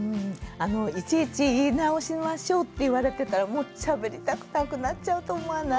いちいち「言い直しましょう」って言われてたらもうしゃべりたくなくなっちゃうと思わない？